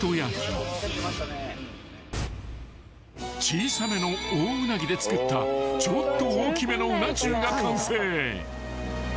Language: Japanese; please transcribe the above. ［小さめのオオウナギで作ったちょっと大きめのうな重が完成］